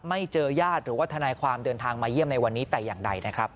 ไม่เจอญาติหรือว่าทนายความเดินทางมาเยี่ยมในวันนี้แต่อย่างใดนะครับ